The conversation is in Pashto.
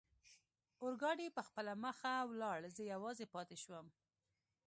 اورګاډي پخپله مخه ولاړ، زه یوازې پاتې شوم.